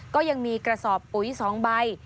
ก็ยังมีกระสอบปุ๋ย๒ใบ